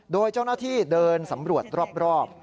โดยเจ้าหน้าที่เดินสำรวจรอบ